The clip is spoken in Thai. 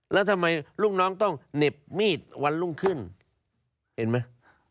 แล้วทำไมลูกน้องต้องเหน็บมีดวันรุ่งขึ้นเห็นไหม